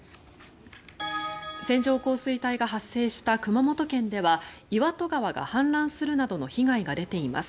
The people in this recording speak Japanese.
線状降水帯が発生した熊本県では岩戸川が氾濫するなどの被害が出ています。